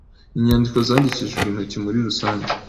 inyandiko zandikishijwe intoki muri rusange